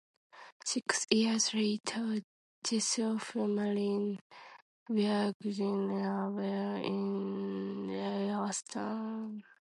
Six years later, Joseph married Virginia Erb in Lewistown.